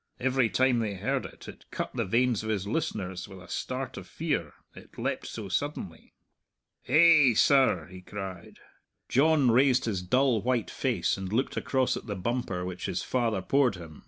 Every time they heard it, it cut the veins of his listeners with a start of fear it leapt so suddenly. "Ha'e, sir!" he cried. John raised his dull, white face and looked across at the bumper which his father poured him.